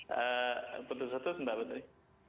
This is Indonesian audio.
betul satu mbak putri